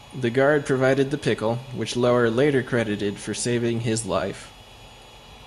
The guard provided the pickle, which Lower later credited for saving his life.